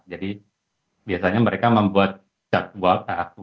jadi biasanya mereka membuat jadwal bukan jadwal apa namanya menu setiap harinya